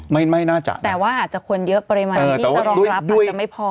ไม่ไม่น่าจะแต่ว่าอาจจะคนเยอะปริมาณที่จะรองรับอาจจะไม่พอ